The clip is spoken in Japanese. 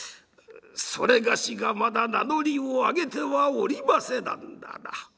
それがしがまだ名乗りを上げてはおりませなんだな。